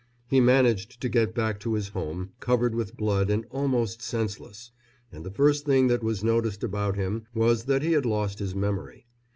He managed to get back to his home, covered with blood and almost senseless, and the first thing that was noticed about him was that he had lost his memory.